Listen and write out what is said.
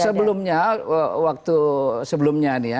sebelumnya waktu sebelumnya nih ya